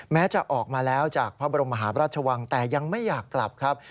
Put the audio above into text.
แม้จะออกมาแล้วจากพระบรมหาพระราชวังแต่ยังไม่อยากกลับครับ